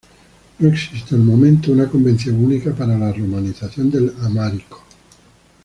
No existe al momento una convención única para la romanización del amhárico.